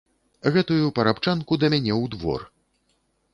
Гэтую парабчанку да мяне ў двор!